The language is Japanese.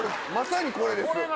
まさにこれです